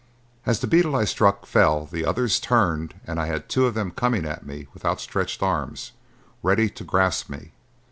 As the beetle I struck fell the others turned and I had two of them coming at me with outstretched arms, ready to grasp me.